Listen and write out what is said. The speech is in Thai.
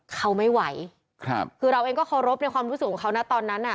เขาไม่ไหวครับคือเราเองก็เคารพในความรู้สึกของเขานะตอนนั้นอ่ะ